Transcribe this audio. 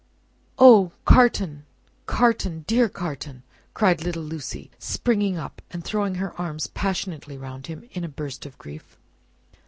"Oh, Carton, Carton, dear Carton!" cried little Lucie, springing up and throwing her arms passionately round him, in a burst of grief.